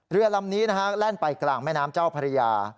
เรือลำนี้นะฮะแล่นไปกลางแม่น้ำเจ้าพระยา